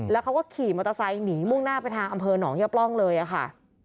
แล้วเขาก็ขี่มอเตอร์ไซค์หนีมุ่งหน้าไปทางอำเภอหนองยะปล่องเลยค่ะ